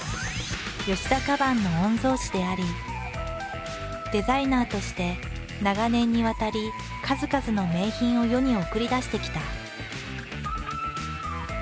田カバンの御曹子でありデザイナーとして長年にわたり数々の名品を世に送り出してきた。